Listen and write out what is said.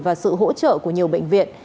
và sự hỗ trợ của nhiều bệnh viện